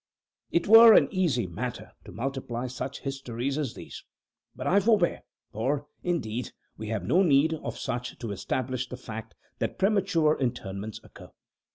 It were an easy matter to multiply such histories as these but I forbear for, indeed, we have no need of such to establish the fact that premature interments occur.